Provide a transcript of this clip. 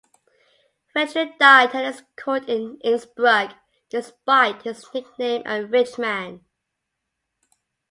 Frederick died at his court in Innsbruck, despite his nickname a rich man.